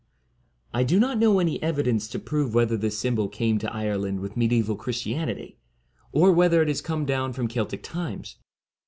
' I do not know any evi dence to prove whether this symbol came to Ireland with mediaeval Christianity, or whether it has come down from Celtic times.